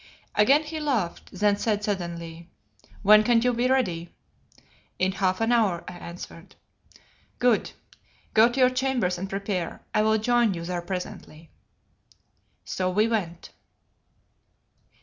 '" Again he laughed; then said suddenly "When can you be ready?" "In half an hour," I answered. "Good. Go to your chambers and prepare. I will join you there presently." So we went.